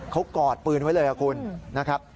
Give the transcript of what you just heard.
เขากอดปืนไว้เลยครับคุณ